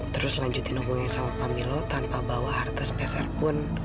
terus lanjutin hubungannya sama pak milo tanpa bawa harta sebesar pun